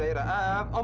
kok bisa meninggal om